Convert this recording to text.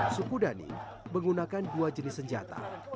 suku dhani menggunakan dua jenis senjata